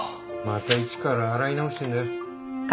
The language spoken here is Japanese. また一から洗い直してんだよ